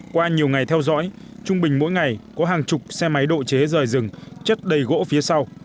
qua nhiều ngày theo dõi trung bình mỗi ngày có hàng chục xe máy độ chế rời rừng chất đầy gỗ phía sau